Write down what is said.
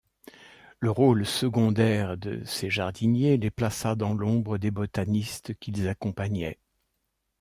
Le rôle secondaire de ces jardiniers les plaça dans l'ombre des botanistes qu'ils accompagnaient.